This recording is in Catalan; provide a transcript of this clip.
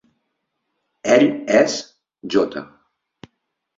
Ell és J.